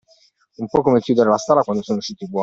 È un po' come chiuder la stalla, quando sono usciti i buoi.